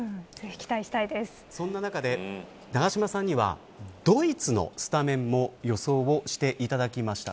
その中で永島さんにはドイツのスタメンも予想していただきました。